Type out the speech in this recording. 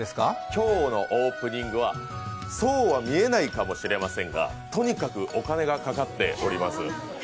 今日のオープニングはそうは見えないかもしれませんがとにかくお金がかかっております。